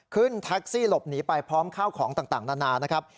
ขึ้นแท็กซี่หลบหนีไปพร้อมข้าวของต่างนานานะครับ